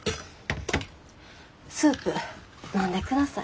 スープ飲んでください。